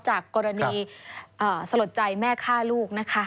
จากกรณีสลดใจแม่ฆ่าลูกนะคะ